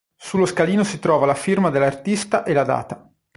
Sullo scalino si trova la firma dell'artista e la data.